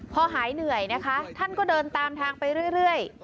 พอหายเหนื่อยนะคะท่านก็เดินตามทางไปเรื่อย